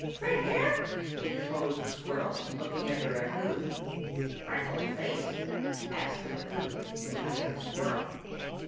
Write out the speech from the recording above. "Red hair?" interposed the squirrel, looking at the raccoon. "Freckled face?" asked the raccoon, looking at the squirrel.